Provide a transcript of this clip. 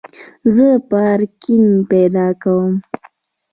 زه پارکینګ پیدا کوم